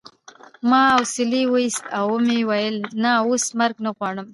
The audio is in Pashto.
ما اسویلی وایست او و مې ویل نه اوس مرګ نه غواړم